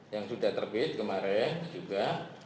yang sudah terbit kemarin juga